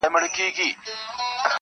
ږغ به خپور سو د ځنګله تر ټولو غاړو -